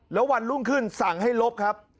แล้ววันรุ่งขึ้นสั่งให้ลบครับ